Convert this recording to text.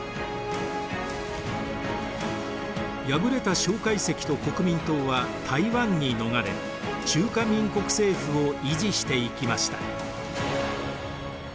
敗れた蒋介石と国民党は台湾に逃れ中華民国政府を維持していきました。